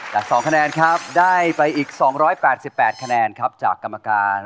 แต่๒คะแนนครับได้ไปอีก๒๘๘คะแนนครับจากกรรมการ